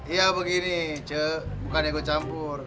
iya begini ce bukan ya gue campur